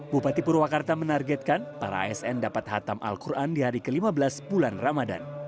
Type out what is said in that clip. bupati purwakarta menargetkan para asn dapat hatam al quran di hari ke lima belas bulan ramadan